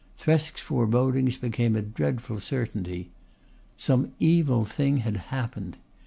Thresk's forebodings became a dreadful certainty. Some evil thing had happened.